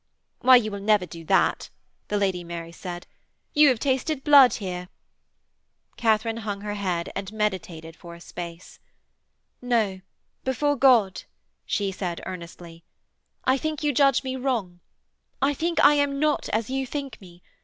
'Why, you will never do that,' the Lady Mary said; 'you have tasted blood here.' Katharine hung her head and meditated for a space. 'No, before God,' she said earnestly, 'I think you judge me wrong. I think I am not as you think me.